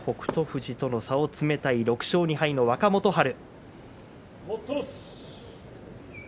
富士との差を詰めたい６勝２敗の若元春。